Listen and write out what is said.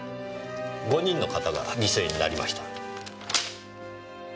５人の方が犠牲になりました。